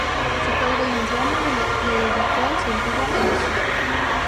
Su padre, ya anciano, le dedicó una sentida elegía.